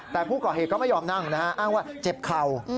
แต่ผู้ก่อเหตุก็ไม่ยอมนั่งนะฮะอ้างว่าเจ็บเข่า